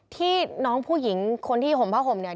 ที่น้องผู้หญิงคนที่ห่มผ้าห่มเนี่ย